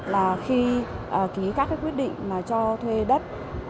là khi ký các quyết định cho thuê đất